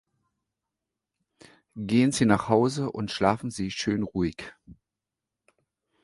Gehen Sie nach Hause und schlafen Sie schön ruhig.